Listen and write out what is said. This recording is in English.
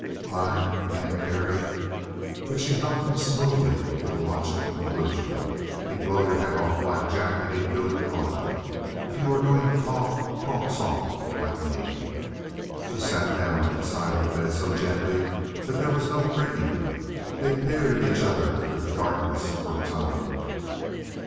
"I " began Terry. But she helped him smoothly to the logical conclusion. "He'd blow your head off, Black Jack; and he'd do it pronto. If you are going to talk, talk soft like me." She sat down on the side of the bed so gently that there was no creaking. They peered at each other through the darkness for a time.